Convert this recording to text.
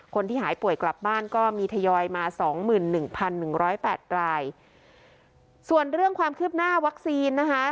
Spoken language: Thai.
คนที่หายป่วยกลับบ้านก็มีทยอยมาสองหมื่นหนึ่งพันหนึ่งร้อยแปดรายส่วนเรื่องความคืบหน้าวัคซีนนะคะ